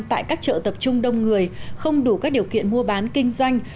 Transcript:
tại các chợ tập trung đông người không đủ các điều kiện mua bán kinh doanh